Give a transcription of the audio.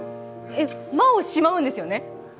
マをしまうんですよね。